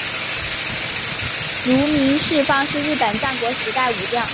芦名氏方是日本战国时代武将。